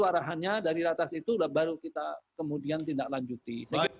arahannya dari ratas itu baru kita kemudian tindak lanjuti